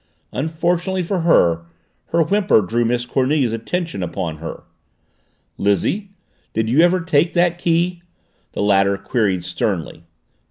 Unfortunately for her, her whimper drew Miss Cornelia's attention upon her. "Lizzie, did you ever take that key?" the latter queried sternly.